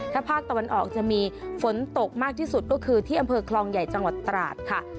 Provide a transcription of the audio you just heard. ถ้าภาคตะวันออกจะมีฝนตกมากที่สุดก็คือที่อำเภอคลองใหญ่จังหวัดตราดค่ะ